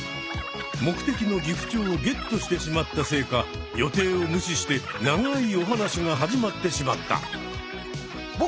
目的のギフチョウをゲットしてしまったせいか予定を無視して長いお話が始まってしまった。